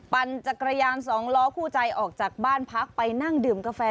ปั่นจักรยานสองล้อคู่ใจออกจากบ้านพักไปนั่งดื่มกาแฟ